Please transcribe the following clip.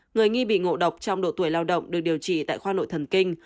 người nghi bị ngộ độc trong độ tuổi lao động được điều trị tại khoa nội thần kinh